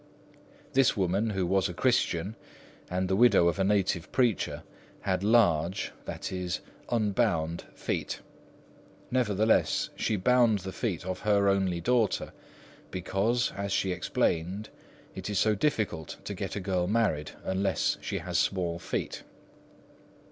This woman, who was a Christian, and the widow of a native preacher, had large, i.e. unbound, feet. Nevertheless, she bound the feet of her only daughter, because, as she explained, it is so difficult to get a girl married unless she has small feet.